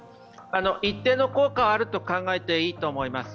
一定の効果はあると考えていいと思います。